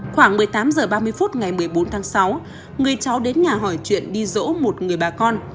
khoảng một mươi tám h ba mươi phút ngày một mươi bốn tháng sáu người cháu đến nhà hỏi chuyện đi rỗ một người bà con